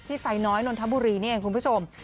ที่ไซน้อยนนทบุรีเนี่ยคุณผู้ชม